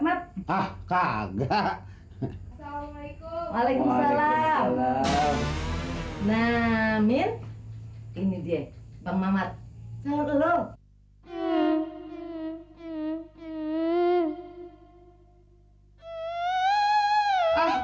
nah ini dia bang mamat